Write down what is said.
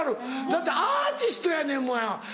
だってアーティストやねんもん。